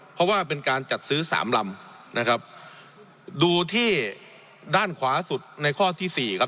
เพราะว่าเป็นการจัดซื้อสามลำนะครับดูที่ด้านขวาสุดในข้อที่สี่ครับ